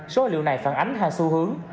số liệu này phản ánh hai xu hướng